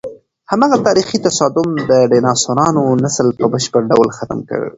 هماغه تاریخي تصادم د ډیناسورانو نسل په بشپړ ډول ختم کړ.